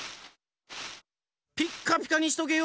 ピッカピカにしとけよ！